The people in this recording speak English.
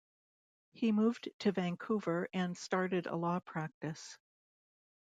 He moved to Vancouver and started a law practice.